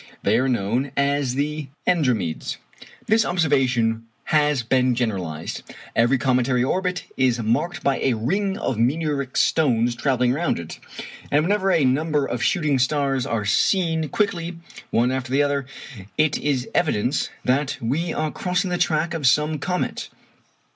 They are known as the Andromedes. This observation has been generalized. Every cometary orbit is marked by a ring of meteoric stones travelling round it, and whenever a number of shooting stars are seen quickly one after the other, it is an evidence that we are crossing the track of some comet.